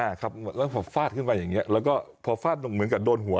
ครับแล้วพอฟาดขึ้นไปอย่างเงี้แล้วก็พอฟาดลงเหมือนกับโดนหัว